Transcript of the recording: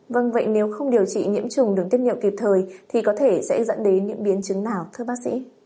vâng vậy nếu không điều trị nhiễm trùng được tiết nhiệm kịp thời thì có thể sẽ dẫn đến những biến chứng nào thưa bác sĩ